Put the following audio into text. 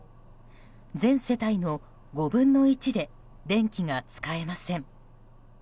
全世帯の５分の１で電気が使えません。